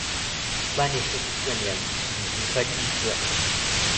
万历四十四年丙辰科进士。